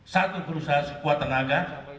satu berusaha sekuat tenaga